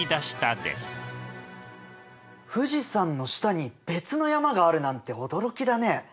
富士山の下に別の山があるなんて驚きだね。